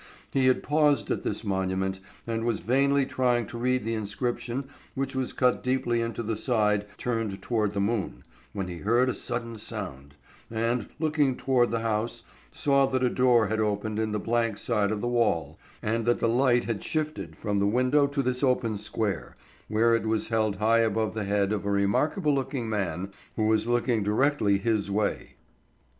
He had paused at this monument, and was vainly trying to read the inscription which was cut deeply into the side turned toward the moon, when he heard a sudden sound, and, looking toward the house, saw that a door had opened in the blank side of the wall, and that the light had shifted from the window to this open square, where it was held high above the head of a remarkable looking man who was looking directly his way.